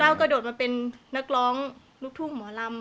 ก้าวกระโดดมาเป็นนักร้องลูกทุกข์หมอร่ำ